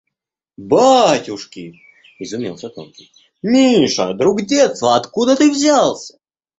— Батюшки! — изумился тонкий.— Миша! Друг детства! Откуда ты взялся?